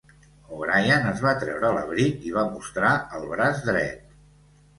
O'Brien es va treure l'abric i va mostrar el braç dret.